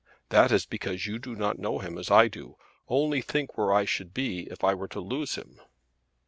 "That is because you do not know him as I do. Only think where I should be if I were to lose him!"